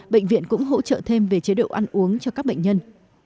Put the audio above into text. bệnh viện cũng hỗ trợ thêm về chế độ ăn uống cho các bệnh nhân